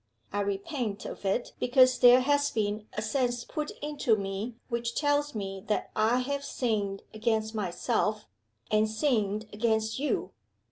I repent of it because there has been a sense put into me which tells me that I have sinned against Myself, and sinned against You.